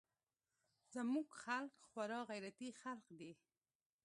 زموږ خلق خورا غيرتي خلق دي.